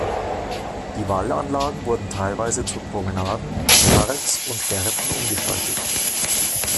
Die Wallanlagen wurden teilweise zu Promenaden, Parks und Gärten umgestaltet.